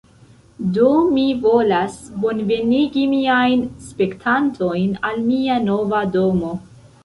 Do, mi volas bonvenigi miajn spektantojn al mia nova domo